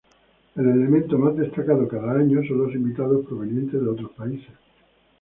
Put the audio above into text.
El elemento más destacado cada año son los invitados provenientes de otros países.